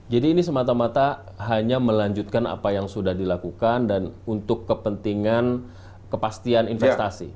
jadi ini semata mata hanya melanjutkan apa yang sudah dilakukan dan untuk kepentingan kepastian investasi